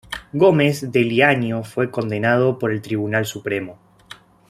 Gómez de Liaño fue condenado por el Tribunal Supremo.